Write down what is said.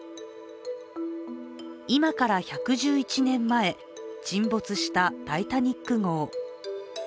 今から１１１年前、沈没した「タイタニック」号。